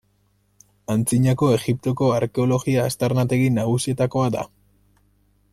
Antzinako Egiptoko arkeologia-aztarnategi nagusietakoa da.